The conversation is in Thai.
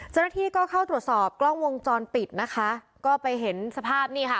เจ้าหน้าที่ก็เข้าตรวจสอบกล้องวงจรปิดนะคะก็ไปเห็นสภาพนี่ค่ะ